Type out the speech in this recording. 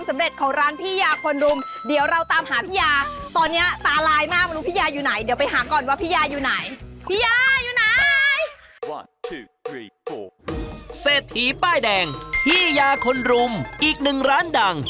เศรษฐีป้ายแดงพี่ยาคนรุมอีกหนึ่งร้านดัง